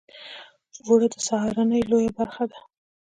اوړه د سهارنۍ لویه برخه ده